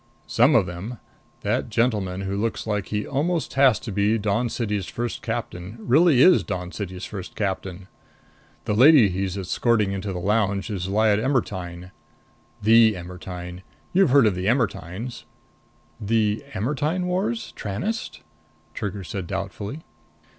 "Some of them. That gentleman who looks like he almost has to be the Dawn City's First Captain really is the Dawn City's First Captain. The lady he's escorting into the lounge is Lyad Ermetyne. The Ermetyne. You've heard of the Ermetynes?" "The Ermetyne Wars? Tranest?" Trigger said doubtfully.